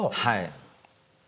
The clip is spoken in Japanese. はい。